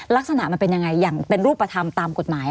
ลักษณะมันเป็นยังไงอย่างเป็นรูปธรรมตามกฎหมาย